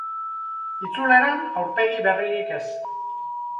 Itzuleran, aurpegi berririk ez.